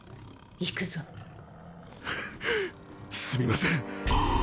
すみません。